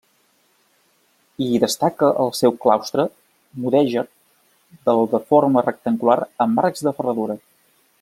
Hi destaca el seu claustre mudèjar del de forma rectangular amb arcs de ferradura.